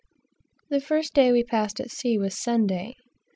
The first day we passed at sea was the Sabbath.